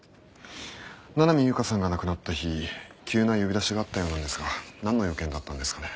七海悠香さんが亡くなった日急な呼び出しがあったようなんですが何の用件だったんですかね？